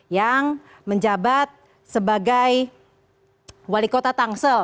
yang menjabat sebagai wali kota tangsel